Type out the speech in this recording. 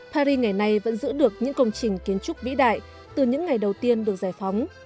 paris ngày nay vẫn giữ được những công trình kiến trúc vĩ đại từ những ngày đầu tiên được giải phóng